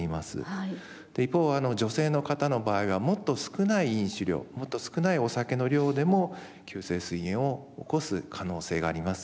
一方女性の方の場合はもっと少ない飲酒量もっと少ないお酒の量でも急性すい炎を起こす可能性があります。